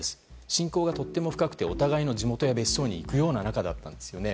親交がとても深くてお互いの地元や別荘に行くような仲だったんです。